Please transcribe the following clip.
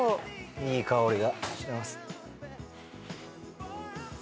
いい香りがします。